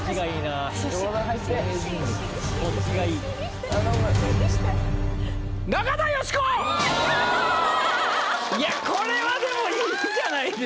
ああいやこれはでもいいんじゃないですか？